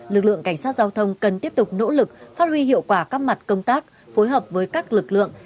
lực lượng cảnh sát giao thông cần tiếp tục nỗ lực phát huy hiệu quả các mặt công tác phối hợp với các lực lượng